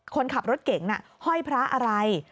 คนขับรถเก่งน่ะห้อยพระอะไร